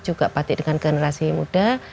juga batik dengan generasi muda